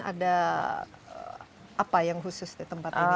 ada apa yang khusus di tempat ini